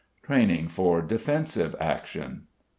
TRAINING FOR DEFENSIVE ACTION.